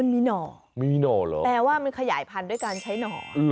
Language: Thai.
มีหน่อมีหน่อเหรอแปลว่ามันขยายพันธุ์ด้วยการใช้หน่อ